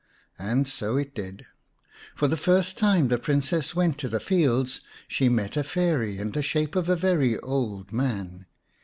And so it did ; for the first time the Princess went to the fields she met a Fairy in the shape of a very old man.